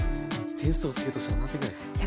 点数をつけるとしたら何点ぐらいですか？